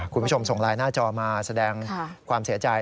คุณผู้ชมส่งไลน์หน้าจอมาแสดงความเสียใจ